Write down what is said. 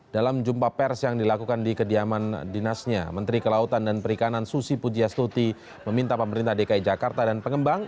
dalam jumpa pers yang dilakukan di kediaman dinasnya menteri kelautan dan perikanan susi pujiastuti meminta pemerintah dki jakarta dan pengembang